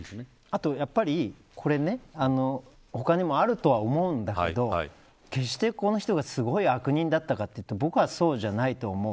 あとやっぱり、これ他にもあるとは思うんだけど決してこの人がすごい悪人だったかというと僕は、そうじゃないと思う。